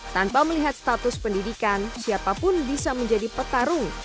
tanpa melihat status pendidikan siapapun bisa menjadi petarung